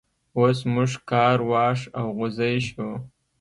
اوس موږ کار واښ او غوزی شو.